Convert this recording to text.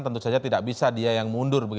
tentu saja tidak bisa dia yang mundur